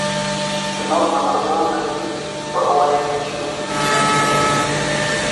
di nav me Kurdan de jî bi awayeke çîrokî jî hatiye gotin